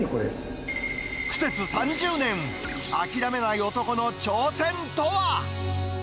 苦節３０年、諦めない男の挑戦とは？